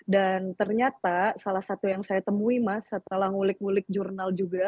dan ternyata salah satu yang saya temui mas setelah ngulik ngulik jurnal juga